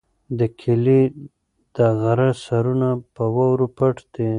د کلي د غره سرونه په واورو پټ دي.